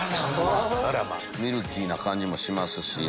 ミルキーな感じもしますし。